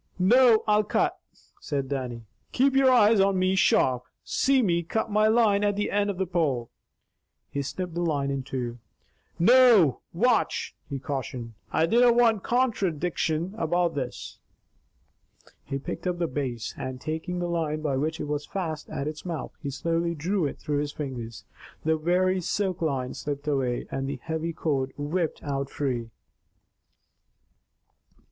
"NOO, I'll cut," said Dannie. "Keep your eye on me sharp. See me cut my line at the end o' my pole." He snipped the line in two. "Noo watch," he cautioned, "I dinna want contra deection about this!" He picked up the Bass, and taking the line by which it was fast at its mouth, he slowly drew it through his fingers. The wiry silk line slipped away, and the heavy cord whipped out free.